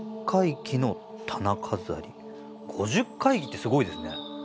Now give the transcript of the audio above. ５０回忌ってすごいですね。